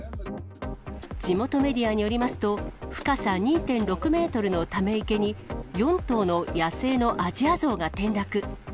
地元メディアによりますと、深さ２．６メートルのため池に、４頭の野生のアジアゾウが転落。